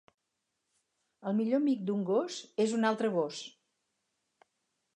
El millor amic d'un gos és un altre gos